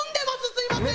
すみません！